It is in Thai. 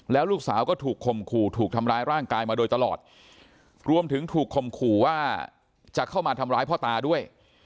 แล้วลูกสาวก็ถูกคมขู่ถูกทำร้ายร่างกายมาโดยตลอดรวมถึงถูกคมขู่ว่าจะเข้ามาทำร้ายพ่อตาด้วย